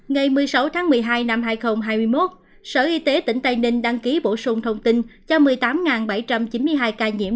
ngày một mươi sáu tháng một mươi hai năm hai nghìn hai mươi một sở y tế tỉnh tây ninh đăng ký bổ sung thông tin cho một mươi tám bảy trăm chín mươi hai ca nhiễm